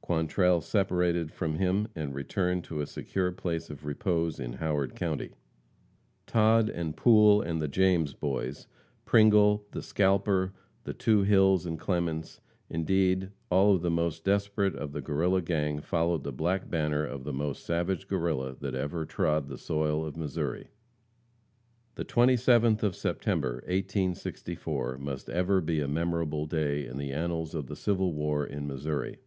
Quantrell separated from him, and returned to a secure place of repose in Howard county. Todd and Poole and the James boys, Pringle, the scalper, the two Hills and Clements, indeed, all of the most desperate of the Guerrilla gang followed the black banner of the most savage Guerrilla that ever trod the soil of Missouri. The 27th of September, 1864, must ever be a memorable day in the annals of the civil war in Missouri.